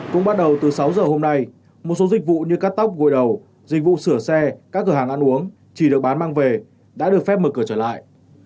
cũng bắt đầu từ sáu giờ hôm nay một số dịch vụ như cắt tóc gội đầu dịch vụ sửa xe các cửa hàng ăn uống chỉ được bán mang về đã được phép mở cửa trở lại